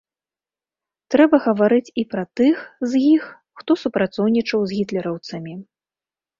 Трэба гаварыць і пра тых з іх, хто супрацоўнічаў з гітлераўцамі.